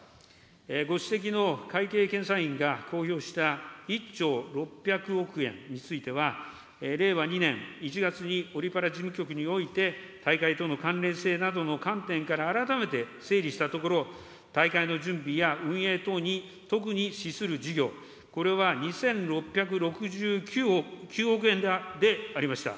ご指摘の会計検査院が公表した１兆６００億円については、令和２年１月にオリパラ事務局において、大会との関連性などの観点から改めて整理したところ、大会の準備や運営等に特に資する事業、これは２６６９億円でありました。